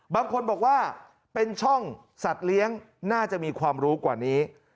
บางคนบอกว่าเป็นช่องสัตว์เลี้ยงน่าจะมีความรู้กว่านี้